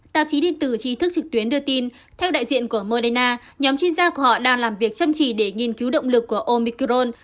tạp chí điện tử trí thức trực tuyến đưa tin theo đại diện của moderna nhóm chuyên gia của họ đang làm việc chăm chỉ để nghiên cứu động lực của omicron